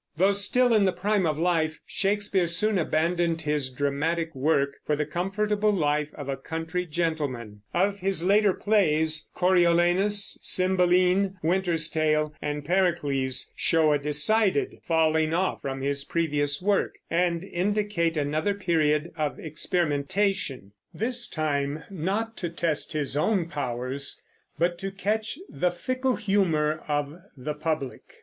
Though still in the prime of life, Shakespeare soon abandoned his dramatic work for the comfortable life of a country gentleman. Of his later plays, Coriolanus, Cymbeline, Winter's Tale, and Pericles show a decided falling off from his previous work, and indicate another period of experimentation; this time not to test his own powers but to catch the fickle humor of the public.